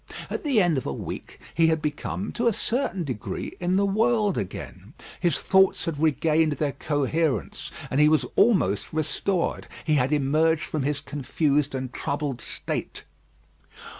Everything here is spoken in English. At the end of a week, he had become, to a certain degree, in the world again; his thoughts had regained their coherence, and he was almost restored. He had emerged from his confused and troubled state.